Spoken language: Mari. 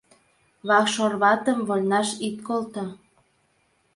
Вакш ораватым вольнаш ит колто!